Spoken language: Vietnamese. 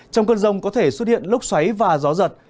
trong cơn rông có thể xuất hiện lốc xoáy và gió giật